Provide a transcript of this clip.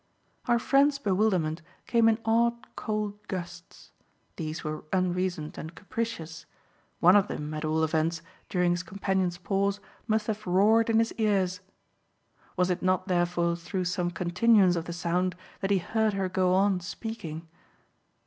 Our friend's bewilderment came in odd cold gusts: these were unreasoned and capricious; one of them, at all events, during his companion's pause, must have roared in his ears. Was it not therefore through some continuance of the sound that he heard her go on speaking?